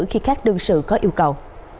khi các đơn sự có yêu cầu